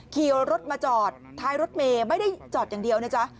ขี่รถมาจอดท้ายรถเมย์ไม่ได้จอดอย่างเดียวนะจ๊ะ